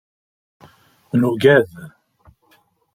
Nugad.